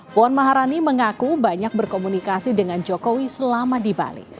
puan maharani mengaku banyak berkomunikasi dengan jokowi selama di bali